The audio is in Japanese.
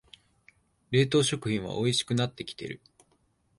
冷凍食品はおいしくなってきてる